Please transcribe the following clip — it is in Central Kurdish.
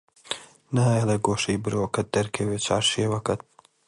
نایەڵێ گۆشەی برۆکەت دەرکەوێ چارشێوەکەت